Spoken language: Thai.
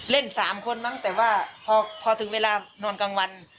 ๓คนมั้งแต่ว่าพอถึงเวลานอนกลางวัน